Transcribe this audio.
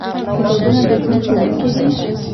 کتابونه د ژوند ښوونکي دي.